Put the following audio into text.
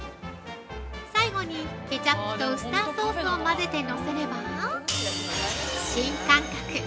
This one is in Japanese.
最後にケチャップとウスターソースを混ぜてのせれば、新感覚！